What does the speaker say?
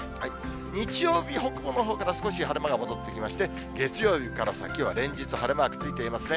日曜日、北部のほうから、少し晴れ間が戻ってきまして、月曜日から先は、連日晴れマークついていますね。